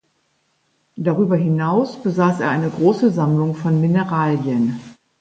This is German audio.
Darüber hinaus besaß er eine große Sammlung von Mineralien.